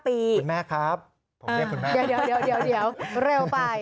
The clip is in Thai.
ผมเรียกคุณแม่ครับเดี๋ยวเร็วไป